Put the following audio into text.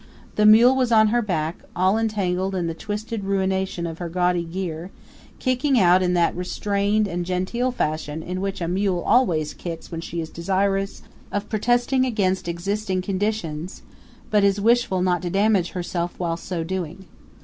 The mule was on her back, all entangled in the twisted ruination of her gaudy gear, kicking out in that restrained and genteel fashion in which a mule always kicks when she is desirous of protesting against existing conditions, but is wishful not to damage herself while so doing.